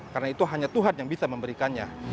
karena itu hanya tuhan yang bisa memberikannya